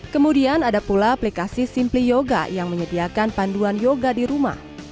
kemudian ada pula aplikasi simply yoga yang menyediakan panduan yoga di rumah